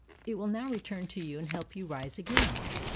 It will now return to you and help you to rise again.